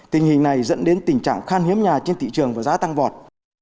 tình hình này dẫn đến tình trạng khan hiếm nhà trên thị trường và giá tăng vọt